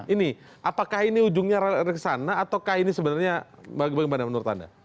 ini apakah ini ujungnya ke sana atau kaya ini sebenarnya bagaimana menurut anda